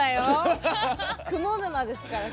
「雲沼」ですから。